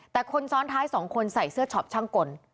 แต่คนซ้อนท้ายสองคนใส่เสื้อช็อปช่างกล